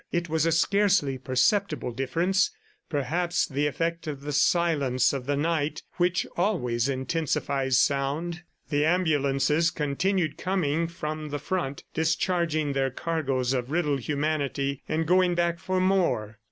It was a scarcely perceptible difference, perhaps the effect of the silence of the night which always intensifies sound. The ambulances continued coming from the front, discharging their cargoes of riddled humanity and going back for more.